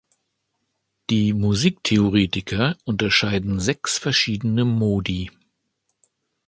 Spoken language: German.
Die Musiktheoretiker unterschieden sechs verschiedene Modi.